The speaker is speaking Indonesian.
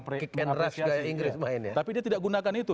tapi dia tidak menggunakan itu dan dengan sangat sengaja tidak menggunakan itu